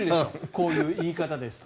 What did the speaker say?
こういう言い方です。